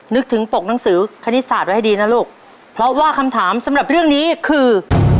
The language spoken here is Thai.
นึกถึงปกหนังสือคณิตศาสตร์ไว้ให้ดีนะลูกเพราะว่าคำถามสำหรับเรื่องนี้คือ